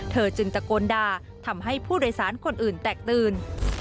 จึงตะโกนด่าทำให้ผู้โดยสารคนอื่นแตกตื่น